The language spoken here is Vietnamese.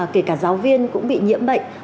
kể cả giáo viên cũng bị nhiễm bệnh